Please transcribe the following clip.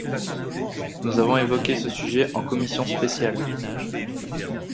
Nous avons évoqué ce sujet en commission spéciale.